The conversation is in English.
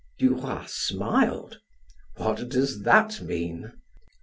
Duroy smiled. "What does that mean?"